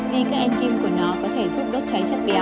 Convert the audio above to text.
vì các enzym của nó có thể giúp đốt cháy chất béo